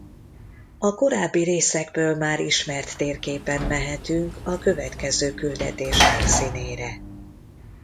A korábbi részekből már ismert térképen mehetünk a következő küldetés helyszínére.